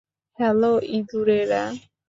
Hello, ইঁদুরেরা।